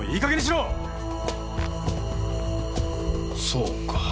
そうか。